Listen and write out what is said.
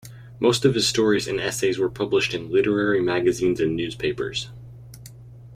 Most of his stories and essays were published in literary magazines and newspapers.